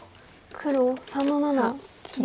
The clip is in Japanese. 黒３の七切り。